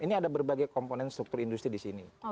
ini ada berbagai komponen struktur industri di sini